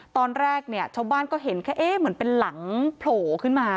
ตอนแรกเนี่ยชาวบ้านก็เห็นแค่เอ๊ะเหมือนเป็นหลังโผล่ขึ้นมา